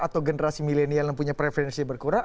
atau generasi milenial yang punya preferensi berkurang